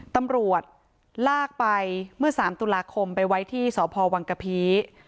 ตำรวจลากไปเมื่อ๓ตุลาคมไปไว้ที่สพวังกะพี